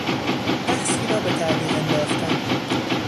بحثی را به تعویق انداختن